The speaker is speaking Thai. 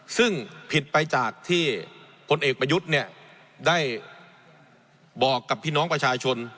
ซึ่งผิดไปจากที่พลเอกประยุทธ์เนี่ยได้บอกกับพี่น้องประชาชน